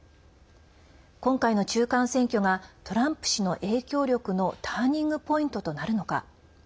今回の中間選挙がトランプ氏の影響力のターニングポイントとなるのか。